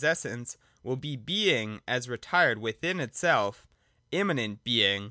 Essence, will be Being as retired within itself, — immanent Being.